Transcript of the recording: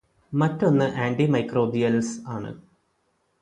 മറ്റൊന്ന് ആന്റിമൈക്രോബിയൽസ് ആണ്.